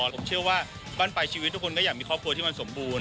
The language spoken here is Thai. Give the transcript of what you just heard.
ผมเชื่อว่าบ้านปลายชีวิตทุกคนก็อยากมีครอบครัวที่มันสมบูรณ